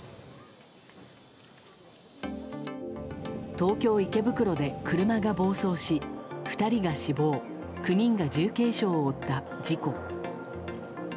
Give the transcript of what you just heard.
東京・池袋で車が暴走し２人が死亡９人が重軽傷を負った事故。